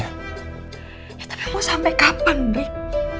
ya tapi mau sampe kapan rik